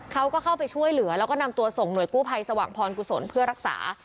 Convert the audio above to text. เขาก็เข้าไปช่วยเหลือแล้วก็นำตัวส่งหน่วยกู้ภัยสว่างพรกุศลเพื่อรักษา